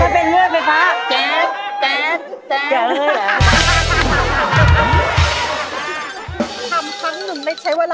๒๐แล้วก็ครึ่งวัน